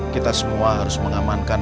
kita semua harus mengamankan